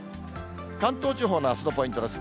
関東地方のあすのポイントです。